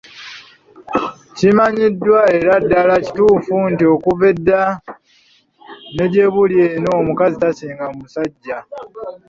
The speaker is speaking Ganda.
Kimanyiddwa era ddala kituufu nti okuva edda ne gyebuli eno omukazi tasinga musajja.